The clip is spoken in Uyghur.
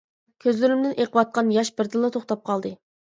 كۆزلىرىمدىن ئېقىۋاتقان ياش بىردىنلا توختاپ قالدى.